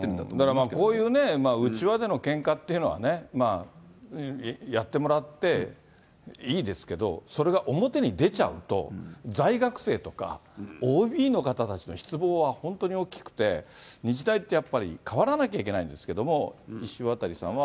だからこういう内輪でのけんかっていうのは、やってもらっていいですけど、それが表に出ちゃうと、在学生とかＯＢの方たちの失望は本当に大きくて、日大ってやっぱり、変わらないといけないんですけど、石渡さんは。